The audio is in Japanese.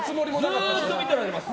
ずっと見てられます。